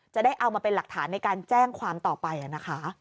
จะได้เอามาเป็นหลักฐานในการแจ้งความต่อไปนะคะ